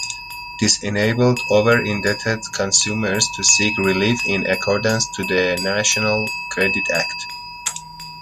This enabled over-indebted consumers to seek relief in accordance to the National Credit Act.